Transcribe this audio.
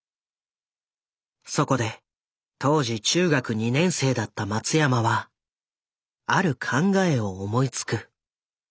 そこで当時中学２年生だった松山はある考えを思いつく。